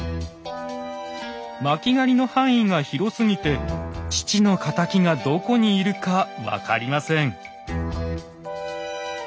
巻狩の範囲が広すぎて父の敵がどこにいるか分かりません。